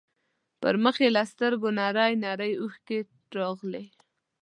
په مخ يې له سترګو نرۍ نرۍ اوښکې راغلې.